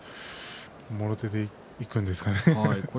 もろ手でいくんですかね。